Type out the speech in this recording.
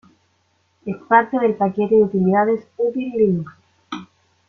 Es parte del paquete de utilidades util-linux.